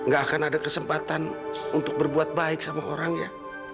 gak akan ada kesempatan untuk berbuat baik sama orangnya